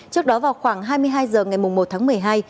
trước đó vào khoảng hai mươi hai h ngày một tháng một mươi hai